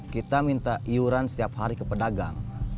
kita minta iuran setiap hari ke pedagang